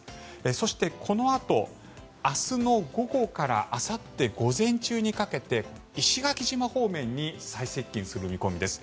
そして、このあと明日の午後からあさって午前中にかけて石垣島方面に最接近する見込みです。